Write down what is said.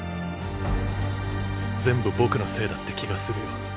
全部僕のせいだって気がするよ。